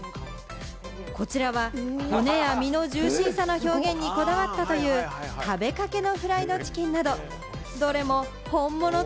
こちらは骨や身のジューシーさの表現にこだわったという食べかけあっつ。